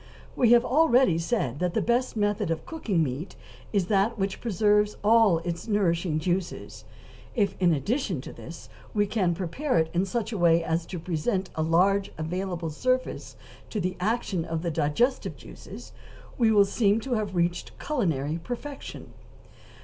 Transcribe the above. We have already said that the best method of cooking meat is that which preserves all its nourishing juices; if in addition to this we can prepare it in such a way as to present a large available surface to the action of the digestive juices, we would seem to have reached culinary perfection.